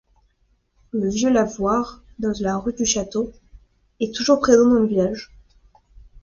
Le vieux lavoir, dans la rue du Château, est toujours présent dans le village.